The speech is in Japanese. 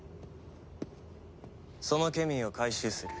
そのケミーを回収する。